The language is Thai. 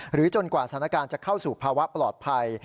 จนกว่าสถานการณ์จะเข้าสู่ภาวะปลอดภัย